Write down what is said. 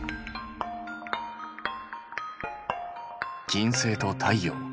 金星と太陽。